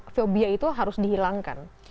fobia itu harus dihilangkan